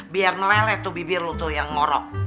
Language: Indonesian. biar meleleh bibir lo yang ngorok